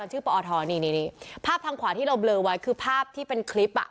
ปอทนี่นี่ภาพทางขวาที่เราเบลอไว้คือภาพที่เป็นคลิปอ่ะ